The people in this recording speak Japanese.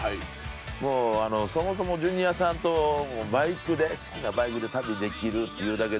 發そもそもジュニアさんと好きなバイクで旅できる弔辰討いΔ世韻